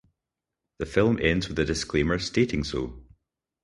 The film ends with a disclaimer stating so.